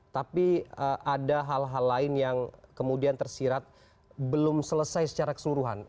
tapi ada hal hal lain yang kemudian tersirat belum selesai secara keseluruhan